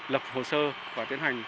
lập hồ sơ và tiến hành